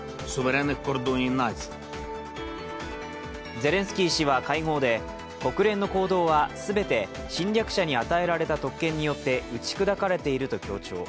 ゼレンスキー氏は会合で、国連の行動は全て侵略者に与えられた特権によって打ち砕かれていると強調。